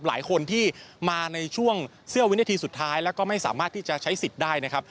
หลายคนที่มาในช่วงเสี้ยววินาทีสุดท้ายแล้วก็ไม่สามารถที่จะใช้สิทธิ์ได้นะครับ